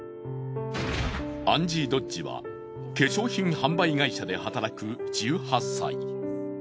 アンジー・ドッジは化粧品販売会社で働く１８歳。